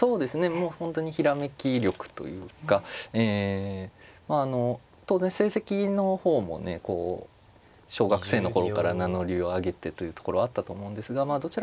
もう本当にひらめき力というかえまああの当然成績の方もねこう小学生の頃から名乗りを上げてというところはあったと思うんですがどちらかといえばその内容の方で。